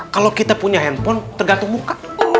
kalau kita punya handphone tergantung muka